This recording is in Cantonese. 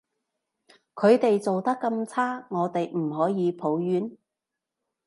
佢哋做得咁差，我哋唔可以抱怨？